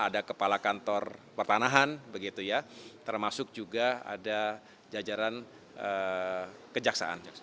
ada kepala kantor pertanahan begitu ya termasuk juga ada jajaran kejaksaan